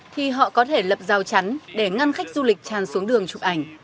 thì họ có thể lập rào chắn để ngăn khách du lịch tràn xuống đường chụp ảnh